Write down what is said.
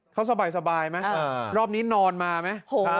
เขาสบายไหมรอบนี้นอนมาไหม